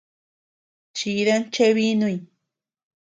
Chidan cheebinuy.